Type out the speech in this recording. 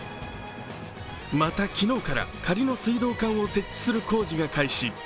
また、昨日から仮の水道管を設置する工事が開始。